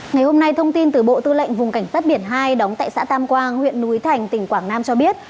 ngày hôm nay thông tin từ bộ tư lệnh vùng cảnh sát biển hai đóng tại xã tam quang huyện núi thành tỉnh quảng nam cho biết